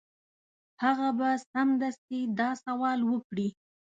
هغه به سمدستي دا سوال وکړي.